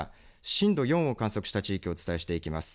震度４を観測した地域をお伝えしていきます。